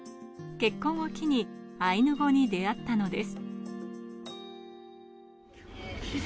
結婚を機にアイヌ語に出会ったのです。